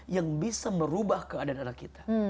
yang bisa merubah keadaan anak kita